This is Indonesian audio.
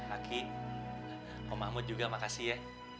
aki kok mahmud juga makasih ya